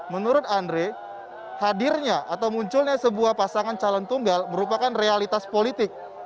menurut andre hadirnya atau munculnya sebuah pasangan calon tunggal merupakan realitas politik